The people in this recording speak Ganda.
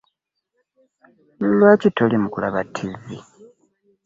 Lwaki toli mukulaba ttivi?